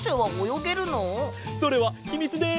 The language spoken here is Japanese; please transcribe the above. それはひみつです！